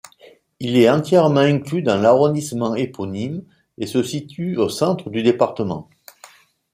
Il est entièrement inclus dans l'arrondissement éponyme, et se situe au centre du département.